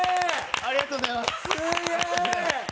ありがとうございます！